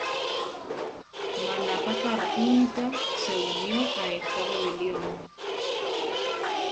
Manapa-Tarhunta se unió a esta rebelión.